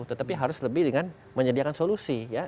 tetapi harus lebih dengan menyediakan solusi ya